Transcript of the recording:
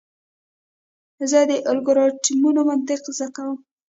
زه د الگوریتمونو منطق زده کوم.